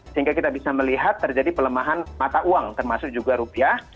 sehingga kita bisa melihat terjadi pelemahan mata uang termasuk juga rupiah